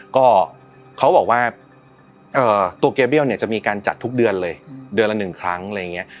ก็เขาบอกว่าตัวเกเบี้ยวเนี่ยจะมีการจัดทุกเดือนเลยเดือนละ๑ครั้งอะไรอย่างนี้